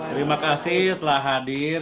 terima kasih telah hadir